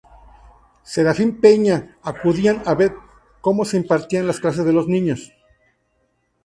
Serafín Peña, acudían a ver como se impartían las clases a los niños.